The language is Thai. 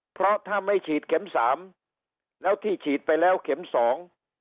เพราะถ้าไม่ฉีดเข็มสามแล้วที่ฉีดไปแล้วเข็มสอง